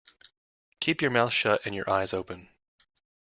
Keep your mouth shut and your eyes open.